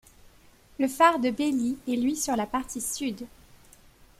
Le phare de Baily est lui sur la partie sud.